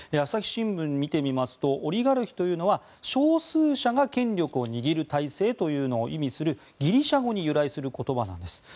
朝日新聞を見てみますとオリガルヒというのは少数者が権力を握る体制というのを意味するギリシャ語に由来する言葉なんです。